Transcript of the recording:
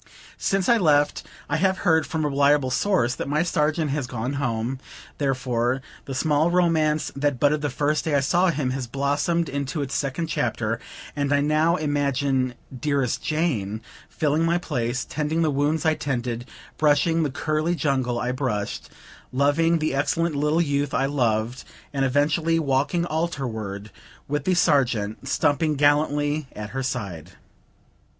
Since I left, I have heard, from a reliable source, that my Sergeant has gone home; therefore, the small romance that budded the first day I saw him, has blossomed into its second chapter; and I now imagine "dearest Jane" filling my place, tending the wounds I tended, brushing the curly jungle I brushed, loving the excellent little youth I loved, and eventually walking altarward, with the Sergeant stumping gallantly at her side.